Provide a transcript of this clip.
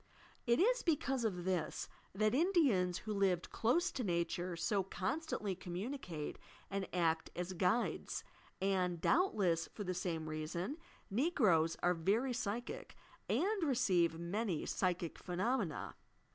It is because of this that Indians, who lived close to nature, so constantly communicate and act as "guides," and doubtless for the same reason Negroes are very psychic, and receive many psychic phenomena.